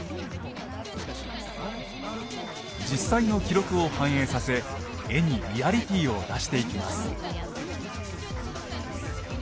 実際の記録を反映させ絵にリアリティーを出していきます。